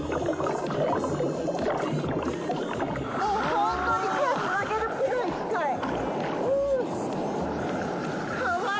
本当に手をつなげるぐらい近い。